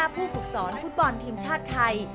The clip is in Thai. ผู้ฝึกสอนฟุตบอลทีมชาติไทย